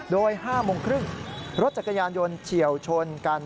โดย๕โมงครึ่งรถจักรยานยนต์เฉียวชนกัน